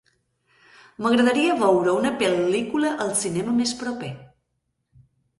M'agradaria veure una pel·lícula al cinema més proper.